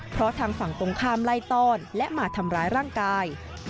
เพราะทางฝั่งตรงข้ามไล่ต้อนและมาทำร้ายร่างกาย